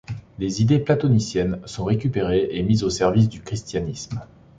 Les idées platoniciennes sont récupérées et mises au service du christianisme.